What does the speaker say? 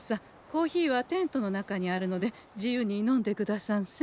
コーヒーはテントの中にあるので自由に飲んでくださんせ。